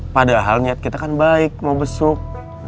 padahal niat kita kan baik mau besuk